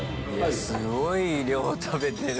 いやすごい量食べてる。